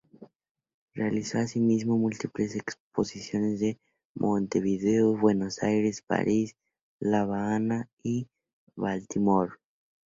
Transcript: Realizó asimismo múltiples exposiciones en Montevideo, Buenos Aires, París, La Habana y Baltimore.